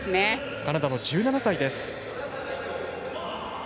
カナダの１７歳です。